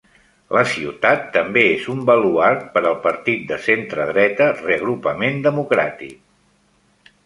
La ciutat també és un baluard per al partit de centre-dreta Reagrupament Democràtic.